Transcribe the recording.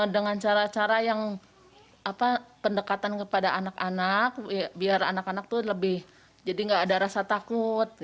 dengan cara cara yang pendekatan kepada anak anak biar anak anak itu lebih jadi nggak ada rasa takut